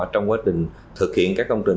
trong quá trình thực hiện các công trình